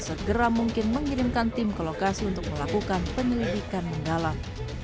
segera mungkin mengirimkan tim ke lokasi untuk melakukan penyelidikan mendalam